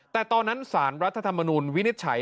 แต่ตอนนั้นสารรัฐธรรมนุนวินิจฉัย